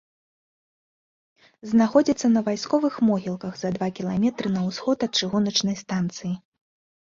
Знаходзіцца на вайсковых могілках, за два кіламетры на ўсход ад чыгуначнай станцыі.